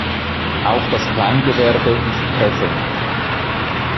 Auch das Kleingewerbe ist präsent.